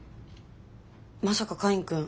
まさカインくん